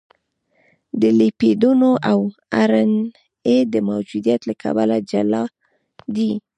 د لیپیدونو او ار ان اې د موجودیت له کبله جلا دي.